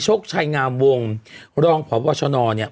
โชคชัยงามวงรองพวชน